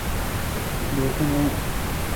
بیہی نہ۔